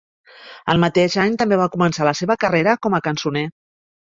El mateix any, també va començar la seva carrera com a cançoner.